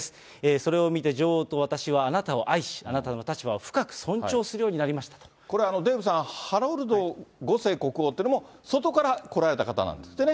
それを見て、女王と私はあなたを愛し、あなたの立場を深く尊これ、デーブさん、ハラルド５世国王っていうのも外から来られた方なんですってね。